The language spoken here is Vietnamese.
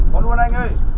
có luôn anh ơi